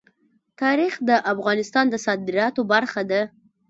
تاریخ د افغانستان د صادراتو برخه ده.